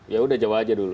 ya udah jawa aja dulu